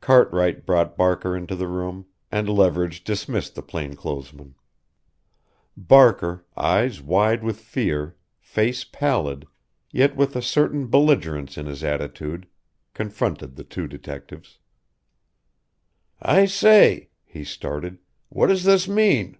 Cartwright brought Barker into the room and Leverage dismissed the plainclothesman. Barker, eyes wide with fear, face pallid yet with a certain belligerence in his attitude confronted the two detectives. "I say " he started, "what does this mean?"